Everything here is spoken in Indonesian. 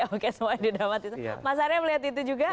oke semuanya didramatisasi mas arya melihat itu juga